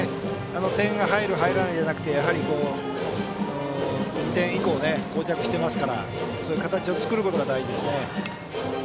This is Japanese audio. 点が入る、入らないじゃなくてやはり、２点以降こう着していますからそういう形を作ることが大事です。